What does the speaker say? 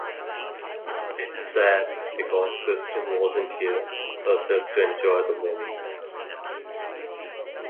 It's sad because Kristen wasn't here herself to enjoy the moment.